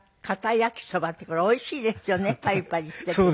焼きそばってこれおいしいですよねパリパリしていてね。